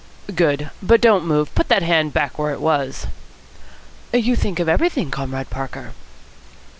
"Good. But don't move. Put that hand back where it was." "You think of everything, Comrade Parker."